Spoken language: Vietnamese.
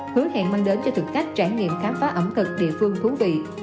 hứa hẹn mang đến cho thực khách trải nghiệm khám phá ẩm thực địa phương thú vị